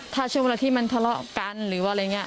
ถ้าช่วงเวลาที่มันทะเลาะกันหรือว่าอะไรอย่างนี้